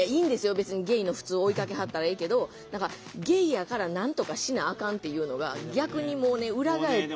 別にゲイの普通を追いかけはったらええけど何かゲイやからなんとかしなあかんっていうのが逆にもうね裏返って。